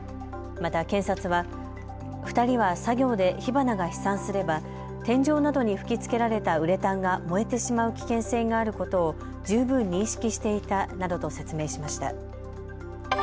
また検察は２人は作業で火花が飛散すれば天井などに吹きつけられたウレタンが燃えてしまう危険性があることを十分認識していたなどと説明しました。